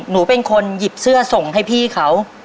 หนูเป็นคนหยิบเสื้อส่งให้พี่เขา